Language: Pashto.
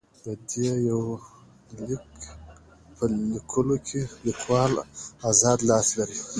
د دې يونليک په ليکلوکې ليکوال اذاد لاس لري.